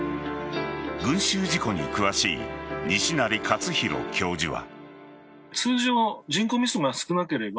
群衆事故に詳しい西成活裕教授は。